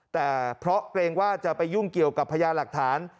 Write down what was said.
แต่เพราะเกรงว่าจะไปยุ่งเกี่ยวกับพญาหลักฐาน